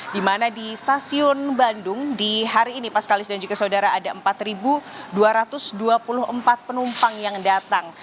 di mana di stasiun bandung di hari ini pas kalis dan juga saudara ada empat dua ratus dua puluh empat penumpang yang datang